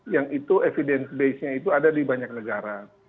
yang itu evidence base nya itu ada di banyak negara